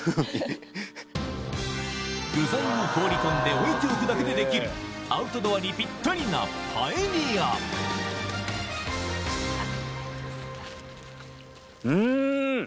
具材を放り込んでおいておくだけでできるアウトドアにピッタリなうん！